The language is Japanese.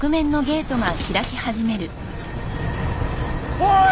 おい！